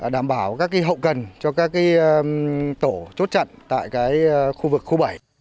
đảm bảo các hậu cần cho các tổ chốt chặn tại khu vực khu bảy